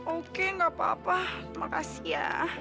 oke gak apa apa makasih ya